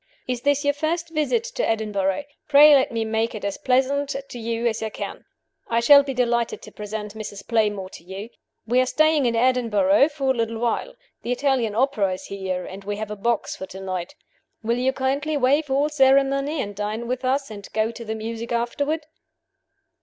Is this your first visit to Edinburgh? Pray let me make it as pleasant to you as I can. I shall be delighted to present Mrs. Playmore to you. We are staying in Edinburgh for a little while. The Italian opera is here, and we have a box for to night. Will you kindly waive all ceremony and dine with us and go to the music afterward?"